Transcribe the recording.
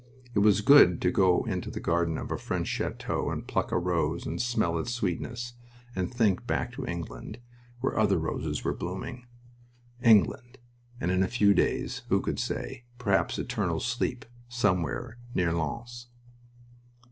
It was good to go into the garden of a French chateau and pluck a rose and smell its sweetness, and think back to England, where other roses were blooming. England!... And in a few days who could say? perhaps eternal sleep somewhere near Lens.